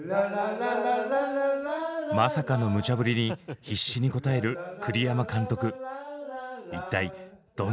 まさかのむちゃぶりに必死に応える栗山監督。